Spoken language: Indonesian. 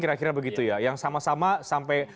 kira kira begitu ya yang sama sama sampai